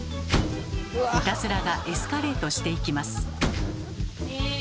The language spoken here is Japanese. いたずらがエスカレートしていきます。